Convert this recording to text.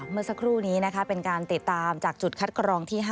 เมื่อสักครู่นี้นะคะเป็นการติดตามจากจุดคัดกรองที่๕